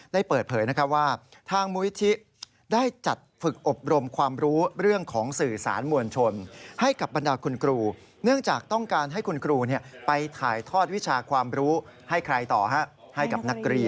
ให้ใครต่อฮะให้กับนักเรียนนะครับ